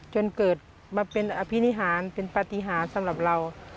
จนเกิดมาเป็นอภินิหารเป็นปฏิหารสำหรับเรา